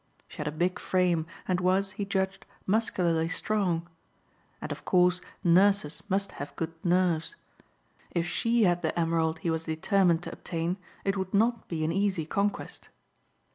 She had a big frame and was, he judged, muscularly strong. And of course nurses must have good nerves. If she had the emerald he was determined to obtain, it would not be an easy conquest.